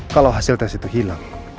kalau hasil tes itu hilang